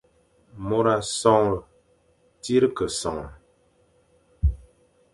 Môr a sonhe, tsir ke sonhe,